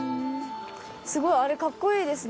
すごい。あれかっこいいですね